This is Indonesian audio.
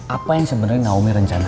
apa yang sebenarnya naomi rencana